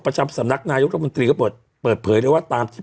ประจำสำนักนายกรัฐมนตรีก็เปิดเผยเลยว่าตามที่